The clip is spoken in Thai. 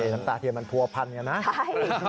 น้ำตาเทียนมันพัวพันอย่างนั้นนะ